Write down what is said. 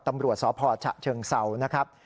ตำรวจสอบพอร์ชะเชิงเศร้านะครับ